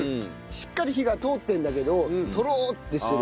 しっかり火が通ってるんだけどトロッてしてる。